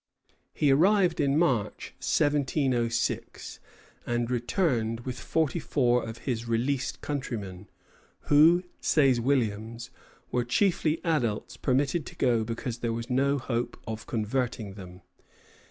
He arrived in March, 1706, and returned with forty four of his released countrymen, who, says Williams, were chiefly adults permitted to go because there was no hope of converting them.